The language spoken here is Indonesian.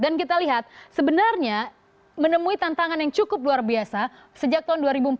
dan kita lihat sebenarnya menemui tantangan yang cukup luar biasa sejak tahun dua ribu empat belas